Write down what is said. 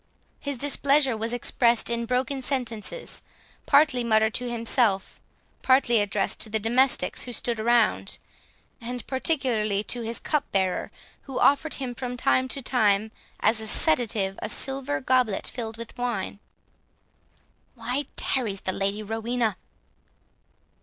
His displeasure was expressed in broken sentences, partly muttered to himself, partly addressed to the domestics who stood around; and particularly to his cupbearer, who offered him from time to time, as a sedative, a silver goblet filled with wine—"Why tarries the Lady Rowena?"